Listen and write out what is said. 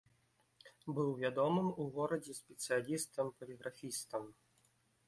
Быў вядомым у горадзе спецыялістам-паліграфістам.